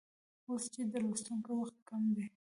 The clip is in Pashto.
اوس چې د لوستونکو وخت کم دی